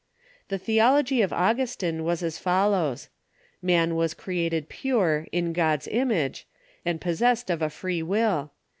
The theology of Augustine was as follows : Man was created pure, in God's image, and possessed of a free will.